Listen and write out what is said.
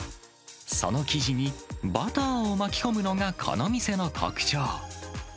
その生地にバターを巻き込むのがこの店の特徴。